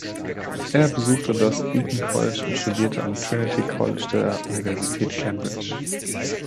Er besuchte das Eton College und studierte am Trinity College der Universität Cambridge.